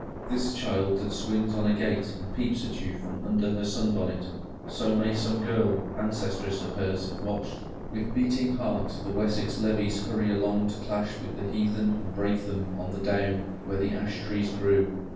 This child that swings on a gate and peeps at you from under her sun bonnet—so may some girl ancestress of hers have watched with beating heart the Wessex levies hurry along to clash with the heathen and break them on the down where the ash trees grew.